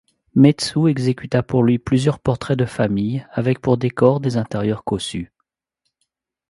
Metsu exécuta pour lui plusieurs portraits de famille, avec pour décors des intérieurs cossus.